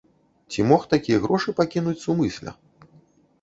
Ці мог такія грошы пакінуць сумысля?